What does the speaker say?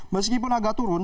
meskipun agak turun